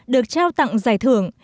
được trao tặng giải thưởng